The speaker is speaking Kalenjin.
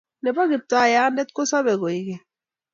Ne bo Kiptaiyandet ko sabe koikeny